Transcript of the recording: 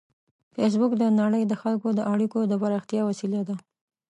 فېسبوک د نړۍ د خلکو د اړیکو د پراختیا وسیله ده